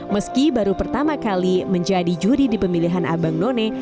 meski baru pertama kali menjadi juri di pemilihan abang none